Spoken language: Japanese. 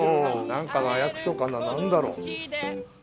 何かな役所かな何だろう。